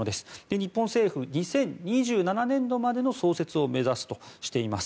日本政府、２０２７年度までの創設を目指すとしています。